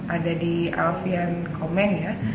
ada di alfian komen ya